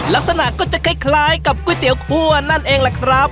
ลักษณะก็จะคล้ายกับก๋วยเตี๋ยวคั่วนั่นเองแหละครับ